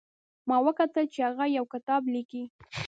ما وکتل چې هغه یو کتاب لیکي